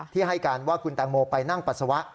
ให้การว่าคุณแตงโมไปนั่งปัสสาวะ